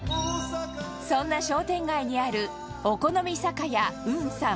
そんな商店街にある「お好み酒家ん」